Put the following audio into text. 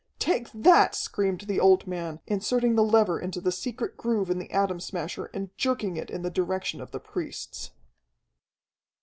"Take that!" screamed the old man, inserting the lever into the secret groove in the Atom Smasher and jerking it in the direction of the priests.